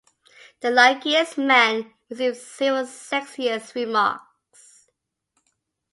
The luckiest man receives zero sexist remarks.